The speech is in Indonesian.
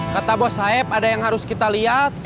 kata bos saib ada yang harus kita lihat